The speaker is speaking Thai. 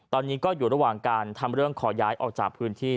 ตอนนี้ก็อยู่ระหว่างการทำเรื่องขอย้ายออกจากพื้นที่